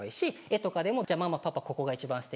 絵とかでもじゃあママパパここが一番すてき。